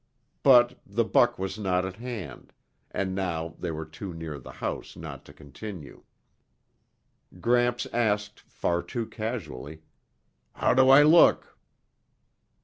But the buck was not at hand, and now they were too near the house not to continue. Gramps asked, far too casually, "How do I look?"